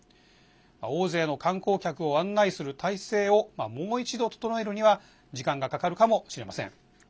大勢の観光客を案内する態勢をもう一度、整えるのには時間がかかるかもしれません。